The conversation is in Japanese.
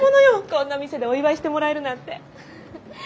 こんな店でお祝いしてもらえるなんて。